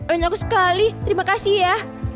banyak sekali terima kasih ya